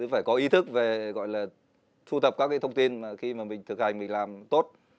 phải có ý thức về gọi là thu thập các thông tin mà khi mà mình thực hành mình làm tốt